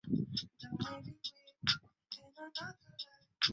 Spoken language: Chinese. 中国军事人物。